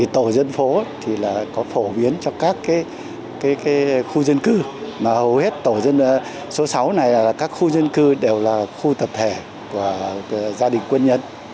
tổ dân phố có phổ biến cho các khu dân cư mà hầu hết tổ dân số sáu này là các khu dân cư đều là khu tập thể của gia đình quân nhân